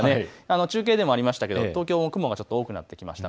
中継でもありましたが東京も雲が多くなってきました。